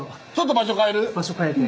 場所変えて。